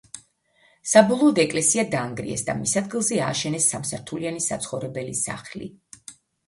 საბოლოოდ ეკლესია დაანგრიეს და მის ადგილზე ააშენეს სამსართულიანი საცხოვრებელი სახლი.